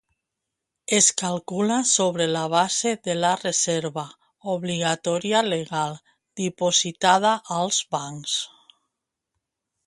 Es calcula sobre la base de la reserva obligatòria legal dipositada als bancs.